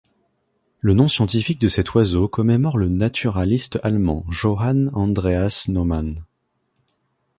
Le nom scientifique de cet oiseau commémore le naturaliste allemand Johann Andreas Naumann.